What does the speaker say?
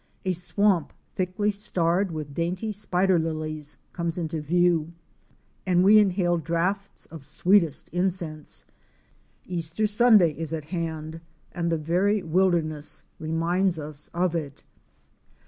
A swamp, thickly starred with dainty spider lilies, comes into view, and we inhale draughts of sweetest incense; Easter Sunday is at hand, and the very wilderness reminds us of it.